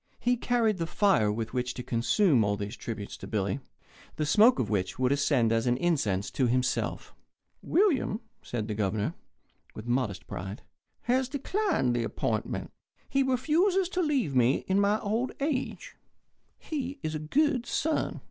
He carried the fire with which to consume all these tributes to Billy, the smoke of which would ascend as an incense to himself. "William," said the Governor, with modest pride, "has declined the appointment. He refuses to leave me in my old age. He is a good son."